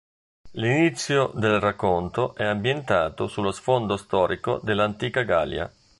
L'inizio del racconto è ambientato sullo sfondo storico dell'antica Gallia.